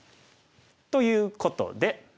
ということで。